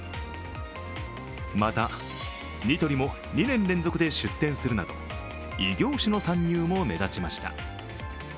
また、ニトリも２年連続で出展するなど異業種の参入も目立ちました。